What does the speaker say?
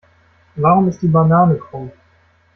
Warum ist die Banane krumm?